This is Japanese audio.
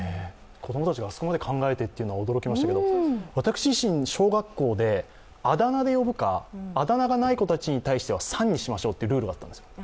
子供たちがあそこまで考えているのは驚きましたけど私自身、小学校であだ名で呼ぶか、あだ名がない子たちに対しては「さん」にしましょうというルールがあったんです。